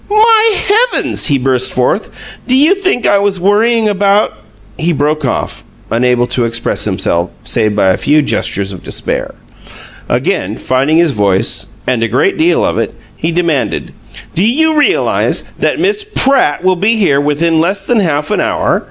"My heavens!" he burst forth. "Do you think I was worrying about " He broke off, unable to express himself save by a few gestures of despair. Again finding his voice, and a great deal of it, he demanded: "Do you realize that Miss PRATT will be here within less than half an hour?